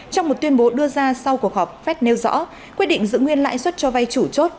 trong một tuyên bố đưa ra sau cuộc họp fed nêu rõ quyết định giữ nguyên lãi suất cho vay chủ chốt